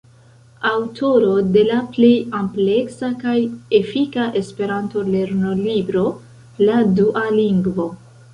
Aŭtoro de la plej ampleksa kaj efika esperanto-lernolibro, "La dua lingvo".